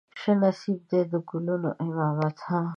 شه نصيب دې د ګلونو امامت هم